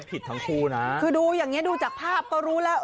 ผิดทั้งคู่นะคือดูอย่างเงี้ดูจากภาพก็รู้แล้ว